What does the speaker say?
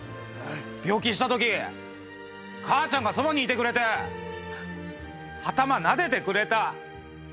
病気した時母ちゃんがそばにいてくれて頭なでてくれた。